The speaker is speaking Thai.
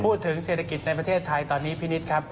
เศรษฐกิจในประเทศไทยตอนนี้พี่นิดครับ